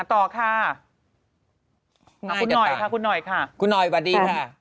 อ่ะต่อค่ะคุณหน่อยค่ะคุณหน่อยสวัสดีค่ะ